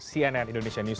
cnn indonesia news